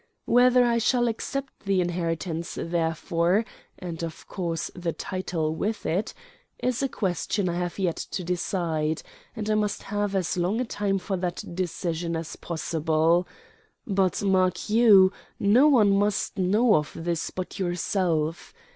Whether I shall accept the inheritance, therefore and, of course, the title with it is a question I have yet to decide; and I must have as long a time for that decision as possible; but, mark you, no one must know of this but yourself.